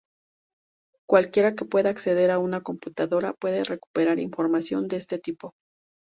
Cualquiera que pueda acceder a una computadora puede recuperar información de este tipo.